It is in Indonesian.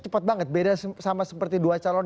cepat banget beda sama seperti dua calon